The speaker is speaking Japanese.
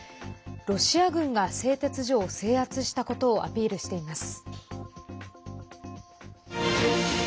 ロシア軍が製鉄所を制圧したことをアピールしています。